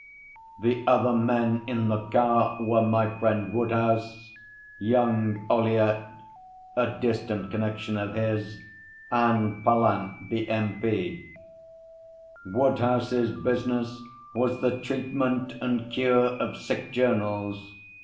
The other men in the car were my friend Woodhouse, young Ollyett, a distant connection of his, and Pallant, the M.P. Woodhouse's business was the treatment and cure of sick journals.